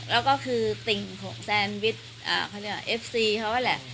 แล้วก็คือติ่งของแซนวิชเขาเรียกว่าเอฟซีเขานั่นแหละ